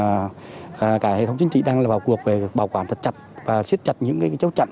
còn lại thì cả hệ thống chính trị đang vào cuộc về bảo quản thật chặt và siết chặt những chấu chặn